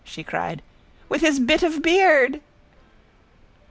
she cried. With his bit of beard!